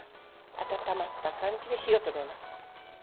温まった感じで火を止めます。